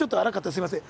すいません。